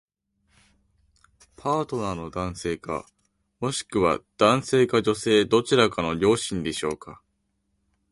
パートナーの男性か、もしくは男性か女性どちらかの両親でしょうか